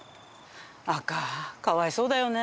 赤かわいそうだよね。